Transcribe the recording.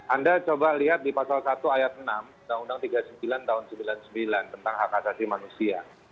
anda coba lihat di pasal satu ayat enam undang undang tiga puluh sembilan tahun seribu sembilan ratus sembilan puluh sembilan tentang hak asasi manusia